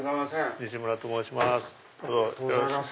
西村と申します